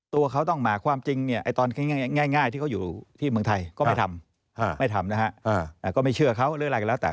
ตัวเขาต้องมาความจริงเนี่ยตอนง่ายที่เขาอยู่ที่เมืองไทยก็ไม่ทำไม่ทำนะฮะก็ไม่เชื่อเขาหรืออะไรก็แล้วแต่